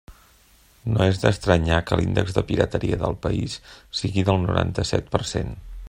No és d'estranyar que l'índex de pirateria del país sigui del noranta-set per cent.